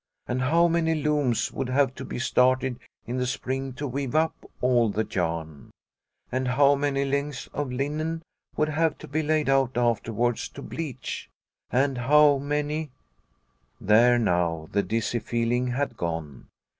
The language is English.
And how many looms would have to be started in the spring to weave up all the yarn ? And how many lengths of linen would have to be laid out afterwards to bleach ? And how many " There now, the dizzy feeling had gone.